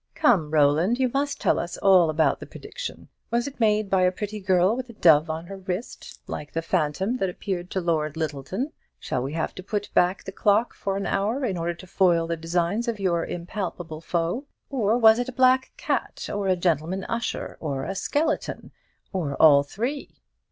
Come, Roland, you must tell us all about the prediction; was it made by a pretty girl with a dove on her wrist, like the phantom that appeared to Lord Lyttleton? Shall we have to put back the clock for an hour, in order to foil the designs of your impalpable foe? Or was it a black cat, or a gentleman usher, or a skeleton; or all three?"